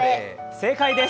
正解です。